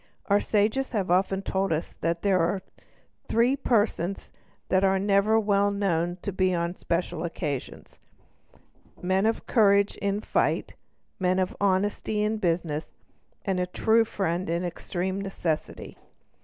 Our sages have often told us that there are three persons that are never well known but on special occasions—men of courage in fight, men of honesty in business, and a true friend in extreme necessity.